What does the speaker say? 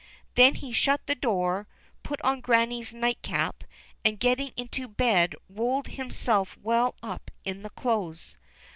Then he shut the door, put on Grannie's night cap, and getting into bed rolled himself well up in the clothes.